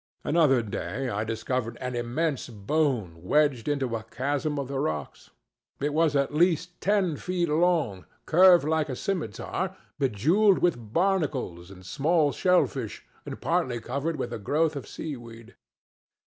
Another day I discovered an immense bone wedged into a chasm of the rocks; it was at least ten feet long, curved like a scymitar, bejewelled with barnacles and small shellfish and partly covered with a growth of seaweed.